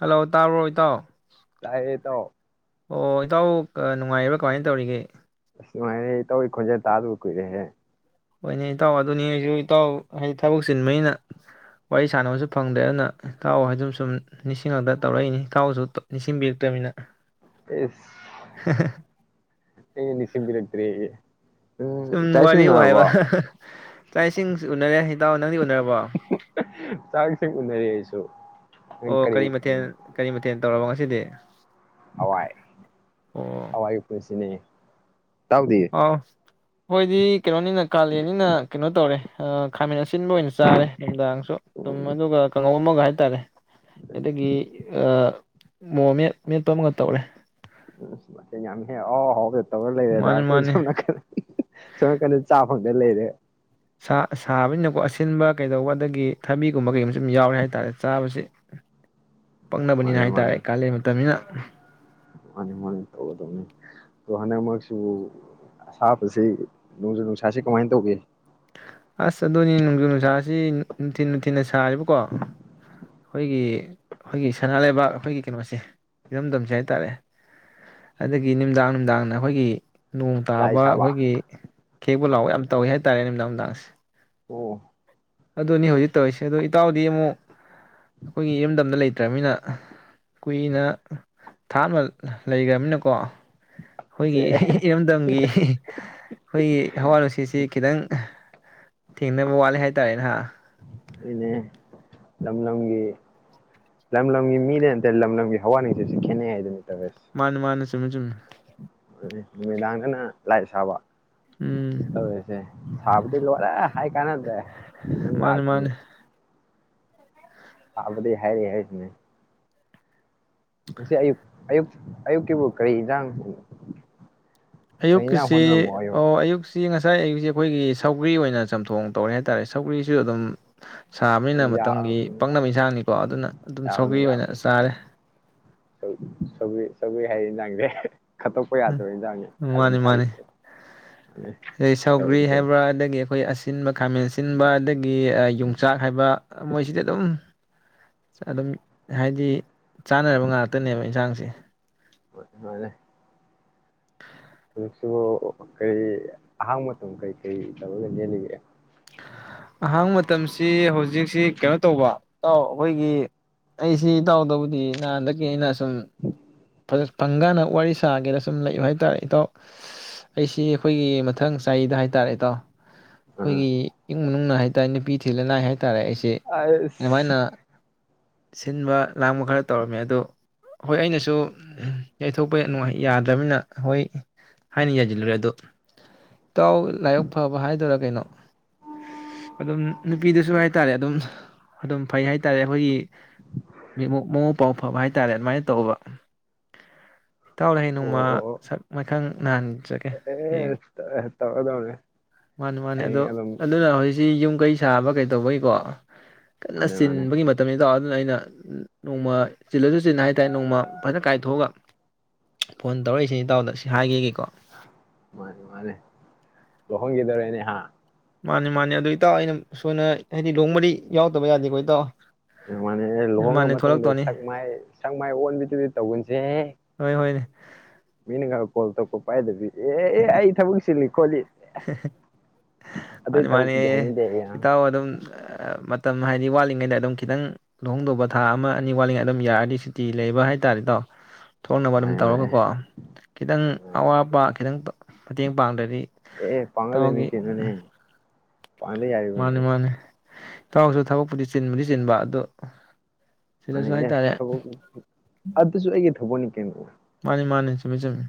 Hello ꯇꯥꯔꯔꯣꯏ ꯏꯇꯥꯎ ꯇꯥꯏꯌꯦ ꯏꯇꯥꯎ ꯑꯣ ꯏꯇꯥꯎ ꯅꯨꯡꯉꯥꯏꯔꯕꯥ ꯀꯃꯥꯏꯅ ꯇꯧꯔꯤꯒꯦ ꯁꯨꯃꯥꯏꯅ ꯑꯩ ꯇꯧꯏ ꯈꯣꯟꯖꯩ ꯇꯥꯗꯕꯨ ꯀꯨꯏꯔꯦꯍꯦ ꯍꯣꯏꯅꯦ ꯏꯇꯥꯎ ꯑꯗꯨꯅꯤ ꯑꯩꯁꯨ ꯏꯇꯥꯎ ꯍꯥꯏꯗꯤ ꯊꯕꯛ ꯆꯤꯟꯕꯅꯤꯅ ꯋꯥꯔꯤ ꯁꯥꯟꯅꯕꯁꯨ ꯐꯪꯗ꯭ꯔꯦ ꯑꯗꯨꯅ ꯏꯇꯥꯎ ꯍꯥꯏ ꯑꯗꯨꯝ ꯁꯨꯝ ꯅꯤꯡꯁꯤꯡꯉꯛꯇ ꯇꯧꯔꯛꯏꯅꯤ ꯏꯇꯥꯎꯁꯨ ꯅꯤꯡꯁꯤꯡꯕꯤꯔꯛꯇꯕꯅꯤꯅ ꯑꯦ ꯅꯁꯤꯝꯕꯤꯔꯠ ꯐꯦ ꯁꯨꯝ ꯋꯥꯔꯤꯌ ꯍꯥꯏꯕ ꯆꯥꯛ ꯏꯁꯤꯡꯁꯨ ꯎꯅꯔꯦ ꯍꯤꯇꯥꯛ ꯅꯪꯗꯤ ꯎꯅꯔꯕꯣ ꯃꯅꯔ ꯑꯁꯨ ꯑꯣ ꯀꯔꯤ ꯃꯊꯦꯜ ꯀꯔꯤ ꯃꯊꯦꯜ ꯇꯧꯔꯕ ꯉ ꯁꯤꯗ ꯍꯋꯥꯏ ꯍꯋꯥꯏ ꯄꯨꯟꯁꯤꯅꯦ ꯏꯇꯥꯎꯗꯤ ꯑꯥꯎ ꯑꯩꯣꯏꯗꯤ ꯀꯩꯅꯣꯅꯤꯅ ꯀꯥꯂꯦꯟꯅꯤꯅ ꯀꯩꯅꯣ ꯇꯧꯔꯦ ꯈꯥꯃꯦꯟ ꯑꯁꯤꯟꯕ ꯑꯣꯏꯅ ꯆꯥꯔꯦ ꯅꯨꯡꯗꯥꯡꯁꯨ ꯑꯗꯨꯝ ꯑꯗꯨꯒ ꯑꯃꯒ ꯍꯥꯏꯇꯥꯔꯦ ꯑꯗꯒꯤ ꯃꯣꯔꯣꯛ ꯃꯦꯠ ꯃꯦꯠꯄ ꯑꯃꯒ ꯇꯧꯔꯦ [unintelligible] ꯇꯧꯔ ꯂꯩꯔꯦꯗ ꯃꯥꯅꯤ ꯑꯩꯈꯣꯏ ꯃꯥꯅꯤ ꯁꯣꯝ ꯅꯥꯀꯟ ꯁꯣꯝ ꯅꯥꯀꯟꯗ ꯐꯪꯗ ꯂꯩꯔꯦ ꯁꯥ ꯁꯥꯕꯅꯤꯅꯀꯣ ꯑꯁꯤꯟꯕ ꯀꯩꯗꯧꯕ ꯑꯗꯒꯤ ꯊꯕꯤꯒꯨꯝꯕ ꯀꯩꯒꯨꯝꯕꯁꯨ ꯁꯨꯝ ꯌꯥꯎꯔꯦ ꯍꯥꯏ ꯇꯥꯔꯦ ꯆꯥꯕꯁꯤ ꯃꯥꯅꯦ ꯄꯛꯅꯕꯅꯤꯅ ꯍꯥꯏꯇꯥꯔꯦ ꯀꯥꯂꯦꯟ ꯃꯇꯝꯅꯤꯅ ꯃꯥꯅꯤ ꯃꯥꯅꯤ ꯇꯧꯒꯗꯧꯅꯤ ꯑꯗꯣ ꯍꯟꯗꯛꯃꯛꯁꯨ ꯑꯁꯥꯕꯁꯤ ꯅꯣꯡꯖꯨ ꯅꯨꯡꯁꯥꯁꯤ ꯀꯃꯥꯏꯅ ꯇꯧꯒ ꯑꯁ ꯑꯗꯨꯅꯤ ꯅꯣꯡꯖꯨ ꯅꯨꯡꯁꯥꯁꯤ ꯅꯨꯡꯊꯤꯟ ꯅꯨꯡꯊꯤꯟꯅ ꯁꯥꯔꯤꯕꯀꯣ ꯑꯩꯈꯣꯏꯒꯤ ꯑꯩꯈꯣꯏꯒꯤ ꯁꯅꯥ ꯂꯩꯕꯥꯛ ꯑꯩꯈꯣꯏꯒꯤ ꯀꯩꯅꯣꯁꯦ ꯏꯔꯝꯗꯝꯁꯦ ꯍꯥꯏ ꯇꯔꯦ ꯑꯗꯒꯤ ꯅꯨꯡꯗꯥꯡ ꯅꯨꯡꯗꯥꯡꯅ ꯑꯩꯈꯣꯏꯒꯤ ꯅꯣꯡ ꯂꯥꯏ ꯇꯥꯕ ꯁꯥꯕ ꯑꯩꯈꯣꯏꯒꯤ ꯈꯦꯛꯄ ꯂꯥꯎꯕ ꯌꯥꯝ ꯇꯧꯋꯦ ꯍꯥꯏ ꯇꯥꯔꯦ ꯅꯨꯃꯤꯗꯥꯡ ꯅꯨꯃꯤꯗꯥꯡꯁꯦ ꯑꯣ ꯑꯗꯨꯅꯤ ꯍꯧꯖꯤꯛ ꯇꯧꯔꯤꯁꯦ ꯑꯗꯣ ꯏꯇꯥꯎꯗꯤ ꯑꯃꯨꯛ ꯑꯩꯈꯣꯏꯒꯤ ꯏꯔꯝꯗꯝꯗ ꯂꯩꯇ꯭ꯔꯅꯤꯅ ꯀꯨꯏꯅ ꯊꯥ ꯑꯃ ꯂꯩꯈ꯭ꯔꯅꯤꯅꯀꯣ ꯁꯦ ꯑꯩꯈꯣꯏꯒꯤ ꯏꯔꯝꯗꯝꯒꯤ ꯑꯩꯈꯣꯏꯒꯤ ꯍꯋꯥ ꯅꯨꯡꯁꯤꯠꯁꯤ ꯈꯤꯇꯪ ꯊꯦꯡꯅꯕ ꯋꯥꯠꯂꯦ ꯍꯥꯏꯇꯥꯔꯦ ꯅꯍ ꯅꯦ ꯂꯝ ꯂꯝꯒꯤ ꯂꯝ ꯂꯝꯒꯤ ꯃꯤꯗ ꯅꯠꯇꯦ ꯂꯝ ꯂꯝꯒꯤ ꯍꯋꯥ ꯅꯨꯡꯁꯤꯁꯨ ꯈꯦꯠꯅꯩ ꯍꯥꯏꯗꯨꯅꯤ ꯇꯧꯔꯤꯁꯦ ꯃꯥꯅꯤ ꯃꯥꯅꯤ ꯆꯨꯝꯃꯤ ꯆꯨꯝꯃꯤ꯫ ꯅꯨꯃꯤꯗꯥꯡꯗꯅ ꯂꯥꯏ ꯁꯥꯕ ꯎꯝ [inaudible] ꯁꯥꯕꯗꯤ ꯂꯣꯏꯔꯦ ꯍꯥꯏ ꯀꯥꯟꯅꯗꯦ ꯅꯣꯢ ꯂꯥꯛꯑ ꯃꯥꯅꯦ ꯃꯥꯅꯦ ꯈꯪꯅꯤ ꯑꯕꯗꯤ ꯍꯥꯏꯔꯤ ꯍꯥꯏꯖꯤꯅꯦ ꯉꯁꯤ ꯑꯌꯨꯛ ꯑꯌꯨꯛ ꯑꯌꯨꯛꯀꯤꯕꯨ ꯀꯔꯤ ꯏꯟꯖꯥꯡ ꯀꯔꯤ ꯏꯟꯖꯥꯡ ꯑꯌꯨꯛꯀꯤꯁꯤ ꯍꯣꯠꯅꯔꯝꯃꯣ ꯑꯌꯨꯛ ꯑꯣ ꯑꯌꯨꯛꯁꯤ ꯉꯁ ꯉꯁꯥꯏ ꯑꯩꯁꯦ ꯑꯩꯈꯣꯏꯒꯤ ꯁꯧꯒ꯭ꯔꯤ ꯑꯣꯏꯅ ꯆꯝꯊꯣꯡ ꯇꯧꯔꯦ ꯍꯥꯏꯇꯥꯔꯦ ꯁꯧꯒ꯭ꯔꯤꯁꯨ ꯑꯗꯨꯝ ꯁꯥꯕꯅꯤꯅ ꯃꯇꯝꯒꯤ ꯌꯥꯕꯅꯦ ꯄꯪꯅꯕ ꯏꯟꯁꯥꯡꯅꯤꯀꯣ ꯑꯗꯨꯅ ꯑꯗꯨꯝ ꯁꯧꯒꯔ꯭ꯤ ꯑꯣꯏꯅ ꯌꯥꯕꯅꯦ ꯆꯥꯔꯦ ꯁꯧꯒ꯭ꯔꯤ [unintelligible] ꯌꯥꯗꯕ ꯏꯟꯖꯥꯡꯅꯦ ꯎꯝ ꯀꯥꯂꯦꯟ ꯃꯥꯅꯤ ꯃꯥꯅꯤ ꯊꯥꯒꯤꯗꯤ ꯑꯗꯩ ꯁꯥꯎꯒ꯭ꯔꯤ ꯇꯧꯔꯤꯁꯦ ꯍꯥꯏꯕ꯭ꯔꯥ ꯑꯗꯒꯤ ꯑꯩꯈꯣꯏ ꯑꯁꯤ ꯑꯁꯤꯟꯕ ꯈꯥꯃꯦꯟ ꯑꯁꯤꯟꯕ ꯑꯗꯒꯤ ꯌꯣꯡꯆꯥꯛ ꯍꯥꯏꯕ ꯃꯣꯏꯁꯤꯗꯤ ꯑꯗꯨꯝ ꯑꯗꯨꯝ ꯍꯥꯏꯗꯤ ꯆꯥꯅꯔꯕ ꯉꯥꯛꯇꯅꯦꯕ ꯏꯟꯁꯥꯡꯁꯦ ꯍꯣꯏꯅꯦ ꯍꯣꯏꯅꯦ ꯀꯔꯤ ꯑꯍꯥꯡꯕ ꯃꯇꯝ ꯀꯔꯤ ꯀꯔꯤ ꯇꯧꯔꯒ ꯂꯦꯜꯂꯤꯒꯦ ꯑꯍꯥꯡꯕ ꯃꯇꯝꯁꯤ ꯍꯧꯖꯤꯛꯁꯤ ꯀꯩꯅꯣ ꯇꯧꯕ ꯏꯇꯥꯎ ꯑꯩꯈꯣꯏꯒꯤ ꯑꯩꯁꯤ ꯏꯇꯥꯎꯗꯕꯨꯗꯤ ꯅꯍꯥꯟꯗꯒꯤ ꯑꯩꯅ ꯁꯨꯝ ꯐꯪꯀꯥꯟꯗ ꯋꯥꯔꯤ ꯁꯥꯒꯦꯅ ꯁꯨꯝ ꯂꯩꯕ ꯍꯥꯏꯇꯥꯔꯦ ꯏꯇꯥꯎ ꯑꯩꯁꯤ ꯑꯩꯈꯣꯏꯒꯤ ꯃꯊꯪ ꯆꯍꯤꯗ ꯍꯥꯏꯇꯥꯔꯦ ꯢꯇꯥꯎ ꯑꯥ ꯑꯩꯈꯣꯏꯒꯤ ꯏꯃꯨꯡ ꯃꯅꯨꯡꯅ ꯍꯥꯏ ꯅꯨꯄꯤ ꯊꯤꯍꯜꯂꯅꯤ ꯍꯥꯏ ꯍꯥꯏꯇꯥꯔꯦ ꯑꯩꯁꯤ ꯑꯁ ꯑꯗꯨꯃꯥꯏꯅ ꯁꯤꯟꯕ ꯂꯥꯡꯕ ꯈꯔ ꯇꯧꯔꯝꯃꯦ ꯑꯗꯨ ꯍꯣꯏ ꯑꯩꯅꯁꯨ ꯌꯩꯊꯣꯛꯄ ꯅꯨꯉꯥꯏ-ꯌꯥꯗ꯭ꯔꯝꯃꯤꯅ ꯍꯣꯏ ꯍꯥꯏꯅ ꯌꯥꯩꯖꯤꯜꯂꯨꯔꯦ ꯑꯗꯣ꯫ ꯑꯧ ꯂꯥꯏꯕꯛ ꯐꯕ ꯍꯥꯏꯗꯣꯔꯥ ꯀꯩꯅꯣ ꯑꯗꯨꯝ ꯅꯨꯄꯤꯗꯨꯁꯨ ꯍꯥꯏꯇꯥꯔꯦ ꯑꯗꯨꯝ꯫ ꯑꯗꯨꯝ ꯐꯩ ꯍꯥꯏ ꯇꯥꯔꯦ ꯑꯩꯈꯣꯏꯒꯤ ꯃꯤ ꯃꯉꯣꯛ ꯃꯄꯥꯎ ꯐꯕ ꯍꯥꯏꯇꯥꯔꯦ ꯑꯗꯨꯃꯥꯏꯅ ꯇꯧꯕ꯫ ꯏꯇꯥꯎꯗ ꯍꯌꯦꯡ ꯑꯣ ꯅꯣꯡꯃ ꯑꯣ ꯁꯛ ꯃꯥꯏꯈꯪ ꯅꯍꯟꯖꯒꯦ ꯍꯌꯦꯡ ꯑꯣ ꯑꯦ ꯇꯧꯔꯗꯧꯅꯦ ꯃꯥꯅꯤ ꯃꯥꯅꯤ ꯑꯗꯣ ꯍꯌꯦꯡ ꯑꯗꯨꯝ ꯑꯗꯨꯅ ꯍꯧꯖꯤꯛꯁꯤ ꯌꯨꯝ ꯀꯩ ꯁꯥꯥꯕ ꯀꯩ ꯇꯧꯕꯩꯀꯣ꯫ ꯀꯟꯅ ꯃꯥꯅꯦ ꯃꯥꯅꯦ ꯆꯤꯟꯕꯒꯤ ꯃꯇꯝꯅꯤ ꯏꯇꯥꯎ ꯑꯩꯅ ꯅꯣꯡꯃ ꯆꯤꯜꯂꯁꯨ ꯆꯤꯟꯅ ꯍꯥꯏꯇꯥꯔꯦ ꯅꯣꯡꯃ꯫ ꯀꯥꯏꯊꯣꯛꯑꯒ ꯐꯣꯟ ꯇꯧꯔꯛꯏꯁꯤꯅꯤ ꯏꯇꯥꯎꯗ ꯁꯤ ꯍꯥꯏꯒꯦꯒꯤ꯫ ꯃꯥꯅꯦ ꯃꯥꯅꯦ ꯂꯨꯍꯣꯡꯒꯤꯗꯣꯔꯦ ꯍꯥ꯫ ꯃꯥꯅꯦ ꯃꯥꯅꯦ ꯑꯗꯨ ꯏꯇꯥꯥꯎ ꯑꯩꯅ ꯁꯣꯟꯗ ꯍꯥꯏꯗꯤ ꯂꯨꯍꯣꯡꯕꯗꯤ ꯌꯥꯎꯇꯗ ꯌꯥꯗꯦꯀꯣ ꯏꯇꯥꯎ꯫ ꯃꯥꯅꯦ ꯂꯨꯍꯣꯡꯒ ꯃꯥꯅꯦ ꯃꯇꯨꯡꯗ ꯊꯣꯛꯂꯛꯇꯧꯅꯤ ꯁꯛ ꯃꯥꯏ ꯁꯛ ꯃꯥꯏ ꯑꯣꯟꯕꯗꯨꯗꯤ ꯇꯧꯒꯟꯁꯦꯍꯦ꯫ ꯍꯣꯏ ꯍꯣꯏ ꯃꯤꯅꯒ ꯀꯣꯜ ꯇꯧꯛꯄ ꯄꯥꯏꯕꯤ ꯑꯦ ꯑꯩ ꯊꯕꯛ ꯁꯤꯜꯂꯤ ꯈꯣꯠꯂꯤ꯫ ꯑꯗꯨꯏ ꯃꯥꯅꯤ ꯃꯥꯅꯤ ꯊꯕꯛꯇꯨꯗꯤ ꯍꯩꯅꯗꯦ ꯑꯩ ꯏꯇꯥꯎ ꯑꯗꯨꯝ ꯑ ꯃꯇꯝ ꯍꯥꯏꯗꯤ ꯋꯥꯠꯂꯤꯉꯩꯗ ꯑꯗꯨꯝ ꯈꯤꯇꯪ ꯂꯨꯍꯣꯡꯗꯧꯕ ꯊꯥ ꯑꯃ ꯑꯅꯤ ꯋꯥꯠꯂꯤꯉꯩ ꯑꯗꯨꯝ ꯌꯥꯔꯗꯤ ꯁꯨꯇꯤ ꯂꯩꯕ ꯍꯥꯏꯇꯥꯥꯔꯦ ꯏꯇꯥꯎ꯫ ꯊꯣꯛꯅꯕ ꯑꯗꯨꯝ ꯃꯥꯅꯦ ꯃꯥꯅꯦ ꯇꯧꯔꯒꯀꯣ ꯈꯤꯇꯪ ꯃꯥꯅꯦ ꯃꯥꯅꯦ ꯑꯋꯥꯠꯄꯥ ꯈꯤꯇꯪ ꯃꯇꯦꯡ ꯄꯥꯡꯗ꯭ꯔꯗꯤ꯫ ꯑꯦ ꯄꯥꯡꯉꯗꯣꯏꯅꯦ ꯏꯇꯥꯎꯒꯤ ꯀꯩꯅꯣꯅꯦ꯫ ꯄꯥꯡꯗ ꯌꯥꯔꯕꯅꯤ ꯃꯥꯅꯤ ꯑꯦ꯫ ꯃꯥꯅꯤ ꯏꯇꯥꯎꯁꯨ ꯊꯕꯛꯄꯨꯗꯤ ꯆꯤꯟꯕꯨꯗꯤ ꯆꯤꯟꯕ ꯑꯗꯨ꯫ ꯃꯥꯅꯤ ꯑꯦ ꯊꯕꯛ ꯑꯗꯨꯁꯨ ꯑꯩꯒꯤ ꯊꯕꯛꯅꯦ [unintelligible] ꯃꯥꯅꯦ ꯃꯥꯅꯦ ꯆꯨꯝꯃꯦ ꯆꯨꯝꯃꯤ꯫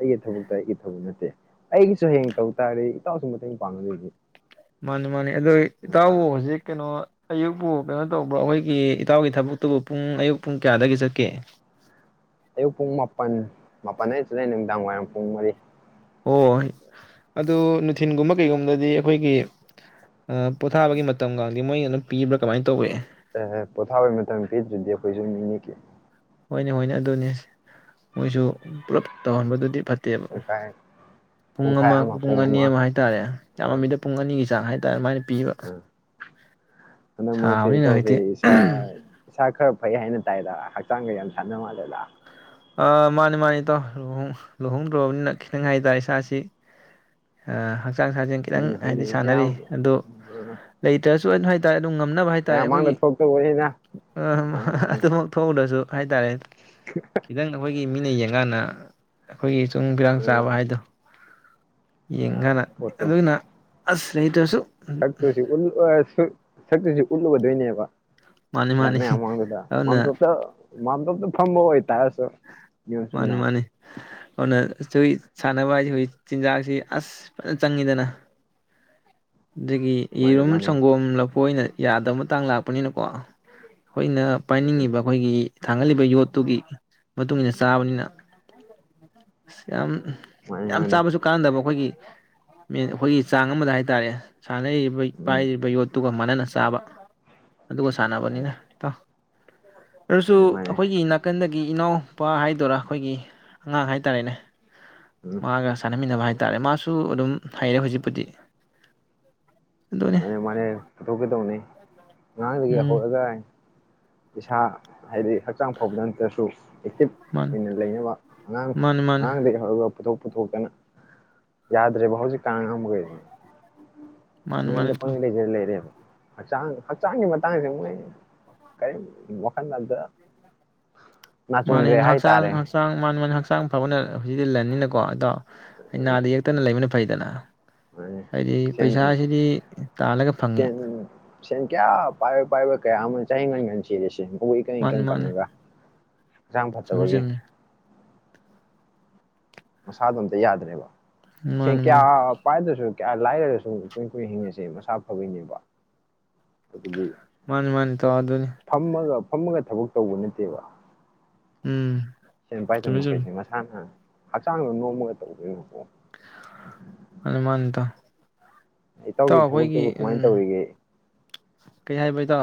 ꯑꯩꯒꯤ ꯊꯕꯛꯇ ꯑꯩꯒꯤ ꯊꯕꯛ ꯅꯠꯇꯦ ꯑꯩꯒꯤꯁꯨ ꯍꯌꯦꯡ ꯇꯧ ꯇꯥꯔꯗ ꯏꯇꯥꯎꯁꯨ ꯃꯇꯦꯡ ꯄꯥꯡꯒꯗꯣꯏꯅꯤ꯫ ꯃꯥꯅꯦ꯫ ꯃꯥꯅꯦ ꯑꯗꯨꯣ ꯏꯇꯥꯎꯕꯨ ꯑꯌꯨꯛ ꯍꯧꯖꯤꯛ ꯀꯩꯅꯣ꯫ ꯑꯌꯨꯛꯄꯨ ꯀꯩꯅꯣ ꯇꯧꯕ꯭ꯔꯣ ꯑꯩꯈꯣꯏꯒꯤ ꯏꯇꯥꯎꯒꯤ ꯊꯕꯛꯇꯨꯕꯨ ꯄꯨꯡ ꯑꯌꯨꯛ ꯄꯨꯡ ꯀꯌꯥꯗꯒꯤ ꯆꯠꯀꯦ꯫ ꯑꯌꯨꯛ ꯄꯨꯡ ꯃꯥꯄꯟ ꯃꯥꯄꯟꯗꯩꯅ ꯆꯠꯂ ꯅꯨꯃꯤꯗꯥꯡ ꯋꯥꯏꯔꯝ ꯄꯨꯡ ꯃꯔꯤ꯫ ꯑꯣ ꯑꯗꯨ ꯅꯨꯊꯤꯟꯒꯨꯝꯕ ꯀꯩꯒꯨꯝꯕꯗꯗꯤ ꯑꯩꯈꯣꯏꯒꯤ ꯑ-ꯄꯣꯊꯥꯕꯒꯤ ꯃꯇꯝꯒꯥꯡꯗꯤ ꯃꯣꯏꯅ ꯑꯗꯨꯝ ꯄꯤꯕ꯭ꯔꯥ ꯀꯃꯥꯏꯅ ꯇꯧꯏ꯫ ꯑ-ꯄꯣꯊꯥꯕꯩ ꯃꯇꯝ ꯄꯤꯗ꯭ꯔꯗꯤ ꯑꯈꯣꯖꯨ ꯃꯤꯅꯤ ꯀꯩꯅꯣ꯫ ꯍꯣꯏꯅꯦ ꯍꯣꯏꯅꯦ ꯑꯗꯨꯅꯤ ꯃꯣꯏꯁꯨ ꯄꯨꯔꯞ ꯇꯧꯍꯟꯕꯗꯨꯗꯤ꯫ ꯐꯠꯇꯦꯕ ꯄꯨꯡꯈꯥꯏ ꯄꯨꯡ ꯑꯃ ꯄꯨꯡ ꯑꯅꯤ ꯑꯃ ꯍꯥꯏꯇꯥꯔꯦ ꯌꯥꯝꯃꯃꯤꯗ ꯄꯨꯡ ꯑꯅꯤꯒꯤ ꯆꯥꯡ ꯍꯥꯏ [unintelligible] ꯑ ꯍꯟꯗꯛ ꯃꯔꯛꯁꯤ ꯁꯥꯕꯅꯤꯅ ꯏꯇꯥꯎꯁꯤ ꯍꯧꯖꯤꯛꯇꯤ ꯏꯁꯥ ꯏꯁꯥ ꯈꯔ ꯐꯩ ꯍꯥꯏꯅ ꯇꯥꯏꯗ ꯍꯛꯆꯥꯡꯒ ꯌꯥꯝ ꯁꯥꯟꯅ ꯃꯥꯂꯦꯗ꯫ ꯑ ꯃꯥꯅꯤ ꯃꯥꯅꯤ ꯇꯣ ꯂꯨꯍꯣꯡ ꯂꯨꯍꯣꯡꯗ꯭ꯔꯕꯅꯤꯅ ꯈꯤꯇꯪ ꯍꯥꯏꯇꯥꯔꯦ ꯏꯁꯥꯁꯤ ꯑ ꯍꯛꯆꯥꯡ ꯁꯥꯖꯦꯟ ꯈꯤꯇꯪ ꯍꯣꯏꯅꯦ ꯍꯣꯏꯅꯦ ꯍꯥꯏꯗꯤ ꯃꯌꯥꯝ ꯁꯥꯟꯅꯔꯤ ꯑꯗꯣ ꯂꯩꯇ꯭ꯔꯥꯁꯨ꯫ [unintelligible] ꯗꯨꯝ ꯉꯝꯅꯕ ꯍꯥꯏꯇꯥꯔꯦ ꯃꯌꯥꯝ ꯃꯥꯡꯗ ꯑꯩꯈꯣꯏꯒꯤ ꯊꯣꯛꯇꯧꯕꯅꯤꯅ ꯑꯗꯨꯃꯛ ꯊꯣꯛꯎꯗ꯭ꯔꯥꯁꯨ꯫ ꯍꯥꯏꯇꯥꯔꯦ꯫ ꯑꯩꯈꯣꯏꯒꯤ ꯃꯤꯅ ꯌꯦꯡꯉꯥꯟꯅ꯫ ꯑꯈꯣꯏꯒꯤ ꯆꯨꯡ ꯐꯤꯔꯥꯟꯆꯕ ꯍꯥꯏꯗꯨ ꯌꯦꯡꯉꯥꯅ ꯑꯗꯨꯅ ꯑꯁ꯫ ꯂꯩꯇ꯭ꯔꯥꯁꯨ꯫ ꯁꯛꯇꯣꯏꯁꯤ ꯎꯟ [unintelligible] ꯁꯤ꯫ ꯁꯛꯇꯣꯏꯁꯤ ꯎꯟ ꯑꯣꯏꯗꯣꯏꯅꯦꯕ꯫ ꯃꯥꯅꯤ [unintelligible] ꯃꯥꯅꯤ ꯃꯌꯥꯝ ꯃꯥꯡꯗꯨꯗ ꯑꯗꯨꯅ ꯃꯥꯝꯇꯣꯞꯆꯥ ꯃꯥꯝꯇꯣꯞ꯫ [unintelligible] ꯐꯝꯕ ꯑꯣꯏꯇꯥꯔꯥ꯫ [unintelligible] ꯅꯌꯣꯝ ꯃꯥꯅꯤ ꯆꯨꯝꯅ꯫ ꯃꯥꯅꯤ ꯑꯗꯨꯅ [unintelligible] ꯁꯥꯟꯅꯕ ꯍꯥꯏꯁꯤ ꯍꯧꯖꯤꯛ ꯆꯤꯟꯖꯥꯛꯁꯤ ꯑꯁ ꯐꯖ ꯆꯪꯉꯤꯗꯅ꯫ ꯗꯒꯤ ꯃꯥꯅꯦ ꯌꯦꯔꯨꯝ ꯃꯥꯅꯦ ꯁꯪꯒꯣꯝ ꯂꯐꯣꯏꯅ꯫ ꯌꯥꯗꯕ ꯃꯇꯥꯡ ꯂꯥꯛꯄꯅꯤꯅꯀꯣ꯫ ꯑꯩꯈꯣꯏꯅ ꯄꯥꯏꯅꯤꯡꯉꯤꯕ ꯑꯩꯈꯣꯏꯒꯤ꯫ ꯊꯥꯡꯒꯠꯂꯤꯕ ꯌꯣꯠꯇꯨꯒꯤ ꯃꯇꯨꯡꯏꯟꯅ ꯆꯥꯕꯅꯤꯅ ꯑꯁ ꯌꯥꯝ꯫ ꯃꯥꯅꯦ [unintelligible] ꯌꯥꯝ ꯃꯥꯅꯦ ꯆꯥꯕꯁꯨ ꯀꯥꯟꯗꯕ ꯑꯩꯈꯣꯏꯒꯤ꯫ ꯃꯦꯟ ꯑꯩꯈꯣꯏꯒꯤ ꯆꯥꯡ ꯑꯃꯗ ꯍꯥꯏꯇꯥꯔꯦ꯫ ꯁꯥꯟꯅꯔꯤꯕꯩ ꯎꯝ ꯄꯥꯏꯔꯤꯕ ꯌꯣꯠꯇꯨꯒ꯫ ꯃꯅꯥꯅ ꯆꯥꯕ꯫ ꯑꯗꯨꯒ ꯁꯥꯟꯅꯕꯅꯤꯅ ꯏꯇꯥꯎ꯫ ꯑꯗꯨꯁꯨ ꯃꯥꯅꯦ ꯃꯥꯅꯦ ꯑꯩꯈꯣꯏꯒꯤ ꯅꯥꯀꯟꯗꯒꯤ ꯏꯅꯥꯎ꯫ ꯅꯨꯄꯥ ꯍꯥꯏꯗꯣꯏꯔꯥ ꯑꯩꯈꯣꯏꯒꯤ ꯑꯉꯥꯡ ꯍꯥꯏꯇꯥꯔꯦꯅꯦ꯫ ꯎꯝ ꯃꯥꯒ ꯁꯟꯅꯃꯤꯟꯅꯕ ꯍꯥꯏ꯫ ꯇꯥꯔꯦ ꯃꯥꯁꯨ ꯑꯗꯨꯝ ꯍꯩꯏꯔꯦ ꯍꯧꯖꯤꯛꯄꯨꯗꯤ꯫ ꯑꯗꯨꯅꯤ ꯃꯥꯅꯦ ꯃꯥꯅꯦ ꯄꯨꯊꯣꯛꯀꯗꯧꯅꯦ ꯑꯉꯥꯡꯗꯒꯤ ꯎꯝ ꯍꯧꯔꯒ꯫ ꯄꯩꯁꯥ꯫ ꯍꯥꯏꯗꯤ ꯍꯛꯆꯥꯡ ꯐꯥꯕꯗ ꯅꯠꯇꯁꯨ ꯑꯦꯛꯇꯤꯚ ꯃꯥꯅꯤ ꯑꯣꯏꯅ ꯂꯩꯅꯕ ꯑꯉꯥꯡ ꯃꯥꯅꯤ ꯃꯥꯅꯤ ꯑꯉꯥꯡꯗꯒꯤ ꯍꯧꯔꯒ ꯄꯨꯊꯣꯛ꯫ ꯄꯨꯊꯣꯛꯇꯅ ꯌꯥꯗ꯭ꯔꯦꯕ ꯍꯧꯖꯤꯛꯀꯥꯟ ꯑꯉꯥꯡ ꯃꯈꯩꯁꯦ꯫ ꯃꯥꯅꯤ ꯃꯥꯅꯤ ꯃꯌꯨꯝꯗ ꯇꯧ ꯄꯪꯂꯩ ꯂꯩꯖ ꯂꯩꯔꯦꯕ꯫ ꯍꯛꯆꯥꯡ ꯍꯛꯆꯥꯡꯒꯤ ꯃꯇꯥꯡꯁꯦ ꯃꯣꯏ ꯀꯔꯤ ꯋꯥꯈꯜꯗ ꯑꯝꯇ ꯃꯥꯅꯤ ꯅꯥꯆꯨꯡꯗ꯭ꯔꯦ ꯍꯛꯆꯥꯡ ꯍꯥꯏꯇꯥꯔꯦ ꯍꯛꯆꯥꯡ ꯃꯅꯤ ꯃꯅꯤ ꯍꯥꯡ ꯍꯛꯆꯥꯡ ꯐꯕꯅ ꯍꯧꯖꯤꯛꯇꯤ ꯂꯟꯅꯤꯅꯀꯣ ꯑꯗꯣ ꯑꯩ ꯅꯥꯗ ꯌꯦꯛꯇꯅ ꯂꯩꯕꯅ ꯐꯩꯗꯅ ꯍꯥꯏꯗꯤ ꯁ ꯄꯩꯁꯥꯁꯤꯗꯤ ꯇꯥꯜꯂꯒ ꯁ ꯐꯪꯉꯤ ꯁꯦꯟ ꯀꯌꯥ ꯄ ꯄꯥꯏꯕ ꯦ ꯑꯃ ꯆꯥꯏꯦ ꯑꯩꯕꯨꯛ ꯏꯀꯪ ꯃꯥꯅꯤ ꯏꯀꯪ ꯃꯥꯅꯤ ꯀꯪꯉꯒ ꯍꯛꯆꯥꯡ ꯆꯨꯝꯃꯤ ꯐꯠꯇꯕꯒꯤ ꯆꯨꯝꯃꯤ ꯃꯁꯥꯗꯣ ꯑꯝꯇ ꯌꯥꯗ꯭ꯔꯦꯕ ꯁꯤ ꯃꯥꯅꯤ ꯀꯌꯥ ꯃꯥꯅꯤ ꯄꯥꯏꯗꯁꯨ ꯌꯥ ꯂꯥꯏꯔꯁꯨ ꯏꯀꯨꯏ ꯏ ꯀꯨꯏꯅ ꯍꯤꯡꯉꯁꯦ ꯃꯁꯥ ꯐꯕꯩꯅꯦꯕ ꯑꯗꯨꯗꯤ ꯃꯥꯅꯤ ꯃꯥꯅꯤ ꯇ ꯑꯗꯨꯅꯤ ꯐꯝꯃꯒ ꯐꯝꯃꯒ ꯊꯕꯛ ꯇꯧꯕ ꯅꯠꯇꯦꯕ ꯎꯝ ꯁꯤꯅ ꯄꯥꯏ ꯇ ꯆꯨꯝꯃꯤ ꯃꯈ ꯆꯨꯝꯃꯤ ꯀꯩꯁꯤꯦ ꯃ ꯁꯅ ꯍꯛꯆꯥꯡꯗ ꯅꯣꯡꯃꯒ ꯇꯧꯗꯣꯏꯅꯣ ꯍꯅꯃꯥꯟꯗ ꯑꯩ ꯇꯧꯒꯦ ꯊꯕꯛꯇꯨꯕꯨ ꯀꯃꯥꯏꯅ ꯇꯧꯔꯤꯒꯦ ꯀꯩ ꯍꯥꯏꯕꯗꯣ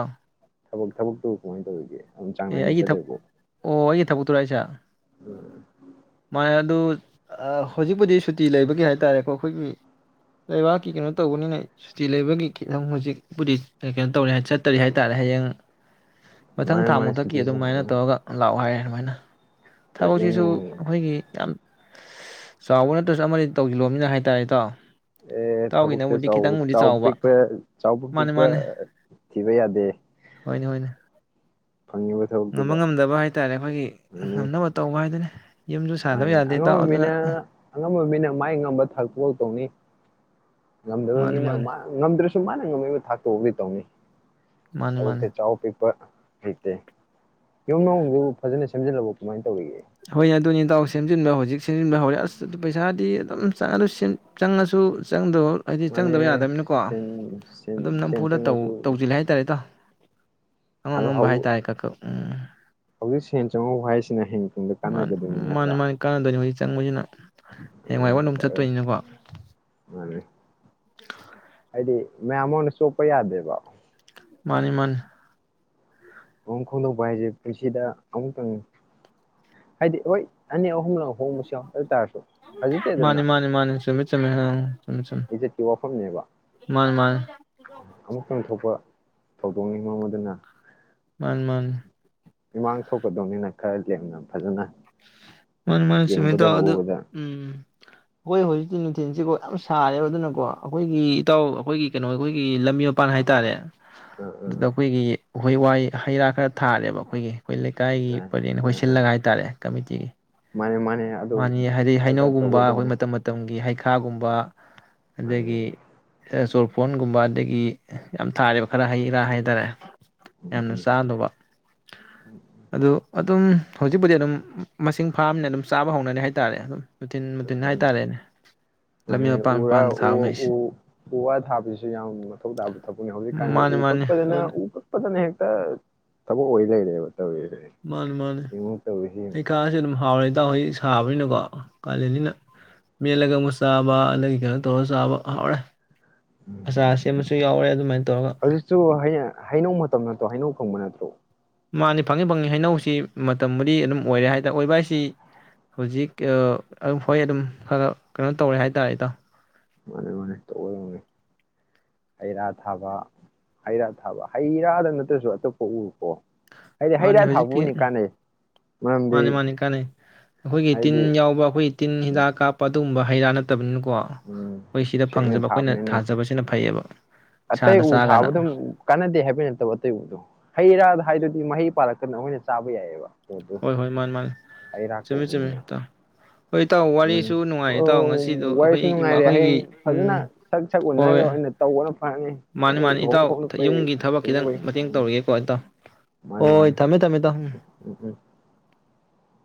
ꯊꯕꯛ ꯊꯕꯛꯇꯨ ꯀꯃꯥꯏꯅ ꯇꯧꯔꯤꯒꯦ ꯑꯗꯨꯝ ꯆꯥꯡ ꯑꯦ ꯅꯥꯏꯅ ꯑꯩꯒꯤ ꯊꯛ ꯆꯠꯂꯤꯕꯣ ꯑꯣ ꯑꯩꯒꯤ ꯊ ꯄꯨꯇꯔꯥꯏ ꯆ ꯑꯗꯨ ꯍꯧꯖꯤꯛꯄꯨꯗꯤ ꯁꯨꯇꯤ ꯂꯩꯕꯒꯤ ꯍꯥꯏ ꯇꯥꯔꯦꯀꯣ ꯑꯩꯈꯣꯏꯒꯤ ꯂꯩꯕꯥꯛꯀꯤ ꯀꯩꯅꯣ ꯇꯧꯕꯅꯤꯅ ꯁꯨꯇꯤ ꯂꯩꯕꯒꯤ ꯈꯤꯇꯪ ꯍꯧꯖꯤꯛꯄꯨꯗꯤ ꯀꯩꯅꯣ ꯇꯧꯔꯤꯦ ꯆꯠꯇꯔꯤ ꯍꯥꯏ ꯇꯥꯔꯦ ꯍꯌꯦꯡ ꯃꯊꯪ ꯃꯥꯅꯦ ꯊꯥ ꯃꯥꯅꯦ ꯃꯨꯛꯊꯛꯀꯤ ꯁꯨꯇꯤꯁꯨ ꯑꯗꯨꯃꯥꯏꯅ ꯇꯧꯔꯒ ꯂꯥꯛꯑꯣ ꯍꯥꯏꯌꯦꯦ ꯑꯗꯨꯃꯥꯏꯅ ꯌꯨꯝ ꯊꯕꯁꯤꯁꯨ ꯅꯨꯡ ꯑꯩꯈꯣꯏꯒꯤ ꯌꯥꯝ ꯆꯥꯎꯕ ꯅꯠꯇ꯭ꯔꯁꯨ ꯑꯃꯗꯤ ꯇꯧꯁꯤꯜꯂꯣꯅꯤꯅ ꯍꯥꯏ ꯇꯔꯦꯗꯣ ꯑꯦ ꯊꯕꯛꯇꯕ ꯆꯥꯎꯕ ꯄꯤꯄ ꯆꯥꯎꯕ ꯃꯥꯅꯦ ꯄꯤꯛꯄ ꯃꯥꯅꯦ ꯊꯤꯕ ꯌꯥꯗꯦ ꯍꯣꯏꯅꯦ ꯍꯣꯏꯅꯦ ꯐꯪꯉꯤꯕ ꯉꯝꯕ ꯊꯕꯛꯇꯨꯗ ꯉꯝꯗꯕ ꯍꯥꯏꯇꯥꯔꯦ ꯑꯩꯈꯣꯏꯒꯤ ꯉꯝꯅꯕ ꯇꯧꯕ ꯍꯥꯏꯗꯨꯅ ꯃꯥꯅꯤ ꯑꯉꯝꯕ ꯃꯤꯅ ꯑꯉꯝꯕ ꯃꯤꯅ ꯃꯥꯏ ꯉꯝꯕ ꯊꯥꯛꯄ ꯇꯧꯅꯤ ꯉꯝꯗꯕ ꯃꯥꯅꯤ ꯃꯤꯅ ꯃꯥꯅꯤ ꯃꯥ ꯉꯝꯗ꯭ꯔꯁꯨ ꯃꯥꯅ ꯉꯝꯃꯛꯏꯕ ꯊꯥꯛꯇꯕꯨꯗꯤ ꯇꯧꯅꯤ ꯃꯥꯅꯤ ꯃꯥꯅꯤ ꯇꯕꯛꯇ ꯆ ꯄꯤ ꯄ ꯂꯩꯩꯇꯦ ꯌꯨꯝ ꯃꯅꯨꯡꯗꯨꯕꯨ ꯐꯖꯅ ꯁꯦꯝꯖꯤꯜꯂꯕ ꯀꯃꯥꯏꯅ ꯇꯧꯔꯤꯒꯦ ꯍꯣꯏ ꯑꯗꯨꯏ ꯇꯥꯎ ꯁꯦꯝꯖꯤꯟꯕ ꯍꯧꯖꯤꯛ ꯁꯦꯝꯖꯤꯟꯕ ꯍꯧꯔꯦ ꯑꯁ ꯄꯩꯁꯥꯗꯤ ꯑꯗꯨꯝ ꯆꯪꯉ ꯆꯪꯉꯁꯨ ꯆꯪꯗꯣ ꯍꯥꯏꯗꯤ ꯆꯪꯗꯕ ꯃꯥꯅꯦ ꯌꯥꯗꯕꯅꯤꯅꯀꯣ ꯁꯦꯟ ꯁꯦꯟ ꯑꯗꯨꯝ ꯁꯦꯟ ꯅꯝꯐꯨꯗ ꯆꯪꯉꯁꯨ ꯇꯧꯁꯤꯜꯂꯦ ꯍꯥꯏꯇꯥꯔꯦ ꯏꯇꯥꯎ ꯑꯉꯝ ꯑꯉꯝꯕ ꯍꯥꯏꯇꯥꯔꯦ ꯀꯛꯀꯛ ꯍꯧꯖꯤꯛ ꯁꯦꯟ ꯆꯪꯍꯧ ꯍꯥꯏꯁꯦ ꯃꯥ ꯃꯥꯅꯤ ꯃꯥꯅꯤ ꯀꯥꯟꯗꯣꯏꯅꯤ ꯆꯪꯕꯁꯤꯅ ꯑꯗꯨꯃꯥꯏꯅ ꯍꯌꯦꯡꯆꯥꯏ [unintelligible] ꯇꯧꯋꯦ ꯆꯠꯇꯣꯏꯅꯤꯅꯀꯣ ꯃꯥꯅꯦ ꯃꯌꯥꯝꯃꯥꯡꯗ ꯆꯣꯞꯄ ꯌꯥꯗꯦꯕ ꯃꯥꯅꯤ ꯃꯥꯅꯤ ꯈꯣꯡ ꯈꯣꯡꯗꯣꯛꯄ ꯍꯥꯏꯁꯦ ꯄꯨꯟꯁꯤꯗ ꯑꯃꯨꯛꯇꯪ ꯍꯥꯏꯗꯤ ꯍꯣꯏ ꯑꯅꯤ ꯑꯍꯨꯝꯂꯛ ꯍꯣꯡꯕꯁꯨ ꯌꯥꯎ ꯑꯗꯨꯇꯥꯥꯔꯁꯨ ꯃꯥꯅꯤ ꯃꯥꯅꯤ ꯃꯥꯅꯤ ꯁꯨꯃꯤ ꯆꯨꯃꯦ ꯎꯝ ꯏꯖꯠꯀꯤ ꯋꯥꯐꯝꯅꯦꯕ ꯃꯥꯅꯤ ꯑꯃꯨꯛꯇꯪ ꯊꯣꯛꯄ ꯊꯧꯗꯣꯛꯅꯤ ꯉꯃ ꯗꯨꯅ ꯃꯥꯟ ꯃꯥꯟ ꯃꯤꯃꯥꯡ ꯊꯣꯛꯀꯗꯧꯅꯤꯅ ꯈꯔ ꯂꯦꯝꯅ ꯐꯖꯅ ꯃꯅꯤ ꯃꯥꯅꯤ ꯆꯨꯝꯃꯤ ꯌꯦꯡꯕꯗ ꯏꯇꯥꯎ ꯑꯗꯨ ꯎꯕꯗ ꯎꯝ ꯑꯩꯈꯣꯏ ꯍꯧꯖꯤꯛꯇꯤ ꯅꯨꯡꯊꯤꯟꯁꯤꯀꯣ ꯌꯥꯝ ꯁꯥꯔꯦꯕ ꯑꯗꯨꯅꯀꯣ ꯑꯩꯈꯣꯏꯒꯤ ꯏꯇꯥꯎ ꯑꯩꯈꯣꯏꯒꯤ ꯀꯩꯅꯣ ꯑꯩꯈꯣꯏꯒꯤ ꯂꯝꯕꯤ ꯃꯄꯥꯟ ꯍꯥꯏꯇꯥꯔꯦ ꯑꯥ ꯑꯗꯨꯗ ꯑꯥ ꯑꯩꯈꯣꯏꯒꯤ ꯎꯍꯩ ꯋꯥꯍꯩ ꯍꯩꯔꯥ ꯈꯔ ꯊꯥꯔꯦꯕ ꯑꯩꯈꯣꯏꯒꯤ ꯑꯩꯈꯣꯏ ꯂꯩꯀꯥꯏꯒꯤ ꯑꯥ ꯄꯔꯦꯟ ꯑꯩꯈꯣꯏ ꯁꯤꯜꯂꯒ ꯍꯥꯏꯇꯥꯔꯦ ꯀꯃꯤꯇꯤꯒꯤ ꯃꯥꯅꯤ ꯃꯥꯅꯤ ꯃꯥꯅꯤ ꯍꯥꯏꯗꯤ ꯍꯩꯅꯧꯒꯨꯝꯕ ꯑꯩꯈꯣꯏ ꯃꯇꯝ ꯃꯇꯝꯒꯤ ꯍꯩ ꯁꯥꯒꯨꯝꯕ ꯑꯗꯒꯤ ꯃꯥꯅꯦ [unintelligible] ꯐꯣꯟꯒꯨꯝꯕ ꯑꯗꯒꯤ ꯌꯥꯝ ꯊꯥꯔꯦꯕ ꯈꯔ ꯍꯩꯔꯥ ꯍꯥꯏꯇꯥꯔꯦ ꯎꯝ ꯌꯥꯝꯅ ꯎꯝ ꯆꯥꯗꯨꯕ ꯑꯗꯨ ꯑꯗꯨꯝ ꯍꯧꯖꯤꯛꯄꯨꯗꯤ ꯑꯗꯨꯝ ꯃꯁꯤꯡ ꯐꯥꯔꯝꯃꯤꯅ ꯑꯗꯨꯝ ꯆꯥꯕ ꯍꯧꯅꯅꯤ ꯍꯥꯏꯇꯥꯔꯦ ꯑꯗꯨꯝ ꯃꯨꯊꯤꯟ ꯃꯨꯊꯤꯟ ꯎ ꯍꯥꯏꯇꯥꯔꯦꯅꯦ ꯂꯝꯕꯤ ꯃꯥꯅꯤ ꯃꯄꯥꯟ ꯎꯔ ꯃꯄꯥꯟꯗ ꯊꯥꯕ ꯎ ꯃꯩꯁꯦ ꯎ ꯎ ꯋꯥ ꯊꯥꯕꯁꯨ ꯌꯥꯝ ꯃꯊꯧ ꯇꯥꯕ ꯊꯕꯛꯅꯤ ꯍꯧꯖꯤꯛꯀꯥꯟꯁꯦ ꯃꯥꯅꯤ ꯎ ꯃꯥꯅꯤ ꯀꯛꯄꯗꯅ ꯑꯗꯨꯅ ꯎ ꯀꯛꯄꯗꯅ ꯍꯦꯛ ꯇꯠ ꯊꯕꯛ ꯑꯣꯏ ꯂꯩꯔꯦꯕ ꯇꯧꯔꯤꯁꯦ ꯃꯥꯅꯤ ꯃꯥꯅꯤ ꯌꯦꯡꯉꯨ ꯇꯧꯔꯤꯁꯤ ꯑꯩꯩꯀꯥꯁꯦ ꯑꯗꯨꯝ ꯍꯥꯎꯔꯦ ꯏꯇꯥꯎ ꯍꯣꯏ ꯁꯥꯕꯅꯤꯅꯀꯣ ꯀꯥꯂꯦꯅꯤꯅ ꯃꯦꯠꯂꯒ ꯑꯃꯨꯛ ꯆꯥꯕ ꯑꯗꯒꯤ ꯀꯩꯅꯣ ꯇꯧꯔꯒ ꯆꯥꯕ ꯍꯥꯎꯔꯦ ꯑꯆꯥꯔ ꯁꯦꯝꯕꯁꯨ ꯌꯥꯎꯔꯦ ꯑꯗꯨꯃꯥꯏꯅ ꯇꯧꯔꯒ ꯍꯧꯖꯤꯛꯁꯨ ꯍꯩꯅꯧ ꯃꯇꯝ ꯅꯠꯇ꯭ꯔꯣ ꯍꯩꯅꯧ ꯐꯪꯕ ꯅꯠꯇ꯭ꯔꯣ ꯃꯥꯅꯤ ꯐꯪꯉꯦ ꯐꯪꯉꯦ ꯍꯩꯅꯧꯁꯤ ꯃꯇꯝꯕꯨꯗꯤ ꯑꯗꯨꯝ ꯑꯣꯏꯔꯦ ꯍꯥꯏ ꯇꯔꯦ ꯑꯣꯏꯕ ꯍꯥꯏꯁꯤ ꯍꯧꯖꯤꯛ ꯑꯗꯨꯝ ꯍꯣꯏ ꯑꯗꯨꯝ ꯈꯔ ꯀꯩꯅꯣ ꯇꯧꯔꯦ ꯍꯥꯏ ꯇꯥꯔꯦ ꯏꯇꯥꯎ ꯃꯥꯅꯦ ꯃꯥꯅꯦ ꯇꯧꯒꯗꯧꯅꯦ ꯍꯩ ꯔꯥ ꯊꯥꯕ ꯍꯩ ꯔꯥ ꯊꯥꯕ ꯍꯩ ꯔꯥꯗ ꯅꯠꯇ꯭ꯔꯁꯨ ꯑꯇꯣꯞꯄ ꯎ ꯃꯥꯅꯤ ꯍꯧꯖꯤꯇꯤ ꯃꯔꯝꯗꯤ ꯃꯥꯅꯤ ꯃꯥꯅꯤ ꯀꯥꯟꯅꯩ ꯑꯩꯈꯣꯏꯒꯤ ꯇꯤꯟ ꯍꯥꯏꯗꯤ ꯌꯥꯎꯕ ꯑꯩꯈꯣꯏꯒꯤ ꯇꯤꯟ ꯎꯝ ꯍꯤꯗꯥꯛ ꯀꯥꯞꯄ ꯑꯗꯨꯝꯕ ꯍꯩꯔꯥ ꯅꯥꯠꯇꯕꯅꯤꯅꯀꯣ ꯎꯝ ꯁꯦꯡꯅ ꯊꯥꯕꯅꯤꯅ ꯊꯥꯖꯕꯁꯤꯅ ꯐꯩꯌꯦꯕ ꯑꯇꯩ ꯏꯁꯥꯗ ꯎ ꯆꯥꯒꯅ ꯊꯥꯕꯗ ꯀꯥꯟꯅꯗꯦ ꯍꯥꯏꯕꯩ ꯅꯠꯇꯕ ꯑꯇꯩ ꯎꯗꯣ ꯍꯩ ꯔꯥꯗ ꯍꯥꯏꯗꯨꯗꯤ ꯃꯍꯩ ꯄꯥꯜꯂꯛꯄꯗ ꯑꯩꯍꯣꯏꯅꯥ ꯆꯥꯕ ꯌꯥꯏꯌꯦꯕ ꯍꯣꯏ ꯍꯣꯏ ꯃꯥꯅꯤ ꯃꯥꯅꯦ ꯆꯨꯝꯃꯤ ꯆꯨꯝꯃꯤ ꯀꯧꯕꯅꯤꯅ ꯏꯇꯥꯎ ꯍꯣꯏ ꯏꯇꯥꯎ ꯎꯝ ꯋꯥꯔꯤꯁꯨ ꯅꯨꯡꯉꯥꯏ ꯏꯇꯥꯎ ꯉꯁꯤꯗꯣ ꯑꯣ ꯑꯩꯈꯣꯏ ꯋꯥꯔꯤꯁꯨ ꯅꯨꯡꯉꯥꯏꯔꯦ ꯑꯩꯈꯣꯏꯒꯤ ꯍꯌꯦꯡ ꯐꯖꯅ ꯁꯛ ꯁꯛ ꯎꯅꯔꯒ ꯍꯣꯏꯣꯏ ꯑꯣꯏꯅ ꯇꯧꯕꯅ ꯐꯔꯅꯤ ꯃꯥꯅꯤ ꯅꯪ ꯃꯥꯅꯤ ꯂꯨꯍꯣꯡ ꯏꯇꯥꯎ ꯈꯣꯡꯗꯣꯛꯄꯩ ꯌꯨꯝꯒꯤ ꯊꯕꯛ ꯈꯤꯇꯪ ꯊꯦꯡꯅꯕꯩ ꯃꯇꯦꯡ ꯇꯧꯔꯨꯒꯦꯀꯣ ꯏꯇꯥꯎ ꯃꯥꯅꯦ ꯍꯣꯏ ꯃꯥꯅꯦ ꯊꯝꯃꯦ ꯊꯝꯃꯦ ꯏꯇꯥꯎ ꯎꯝ ꯎꯝ